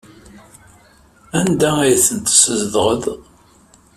Anda ay tent-teszedɣeḍ?